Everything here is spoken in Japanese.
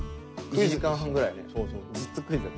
１時間半ぐらいね。